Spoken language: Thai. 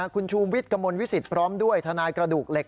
คุณชูวิทย์กระมวลวิสิตพร้อมด้วยทนายกระดูกเหล็ก